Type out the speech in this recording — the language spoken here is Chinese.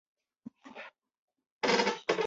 补好衣服的破洞